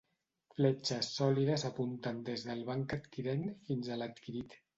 Fletxes sòlides apunten des del banc adquirent fins a l'adquirit.